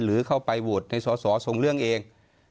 หรือเข้าไปโหวตในสอสอส่งเรื่องเอง